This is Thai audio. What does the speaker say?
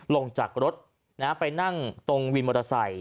ลงจากรถไปนั่งตรงวินมอเตอร์ไซค